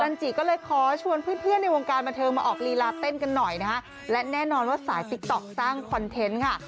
จิก็เลยขอชวนเพื่อนเพื่อนในวงการบันเทิงมาออกลีลาเต้นกันหน่อยนะฮะและแน่นอนว่าสายติ๊กต๊อกสร้างคอนเทนต์ค่ะ